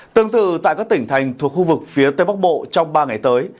tương tự tại các tỉnh thành thuộc khu vực phía tây bắc bộ trong ba ngày tới